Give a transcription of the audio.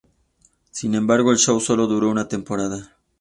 Sin embargo, el show sólo duró una temporada.